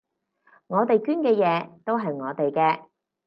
我哋捐嘅嘢都係我哋嘅